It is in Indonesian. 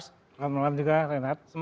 selamat malam juga renat